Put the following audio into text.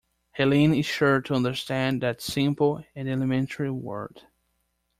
Helene is sure to understand that simple and elementary word.